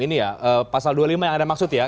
ini ya pasal dua puluh lima yang anda maksud ya